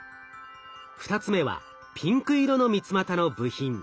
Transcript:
２つ目はピンク色の三つまたの部品。